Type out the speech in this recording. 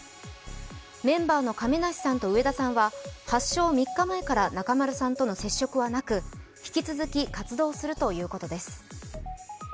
メンバーの亀梨さんと上田さんは発症３日前から、中丸さんとの接触はなく引き続き活動するということです。